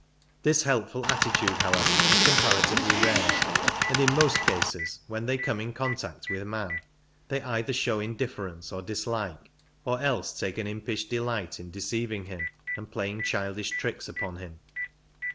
This helpful attitude, however, is comparatively rare, and in most cases when they come in contact with man they either show indifference or dis like, or else take an impish delight in deceiving him and playing childish tricks upon him.